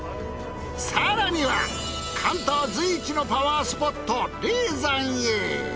更には関東随一のパワースポット霊山へ。